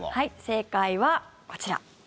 正解はこちら。